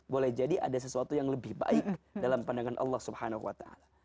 boleh jadi ada sesuatu yang lebih baik dalam pandangan allah swt